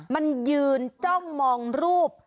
มันยืนจ้องมองรูป